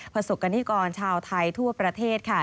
ประสบกรณิกรชาวไทยทั่วประเทศค่ะ